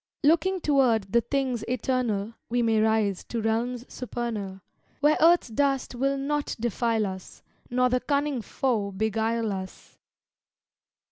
Looking toward the things eternal, We may rise to realms supernal, Where earth's dust will not defile us Nor the cunning foe beguile us.